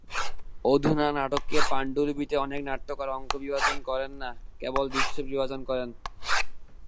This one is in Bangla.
অধুনা নাটকের পাণ্ডুলিপিতে অনেক নাট্যকার অঙ্ক বিভাজন করেন না, কেবল দৃশ্য বিভাজন করেন।